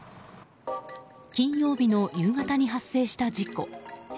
金曜日の夕方に発生した事故。